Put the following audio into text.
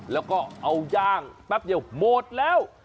แล้วก็เอาย่างแป๊บเดียวหมดแล้ว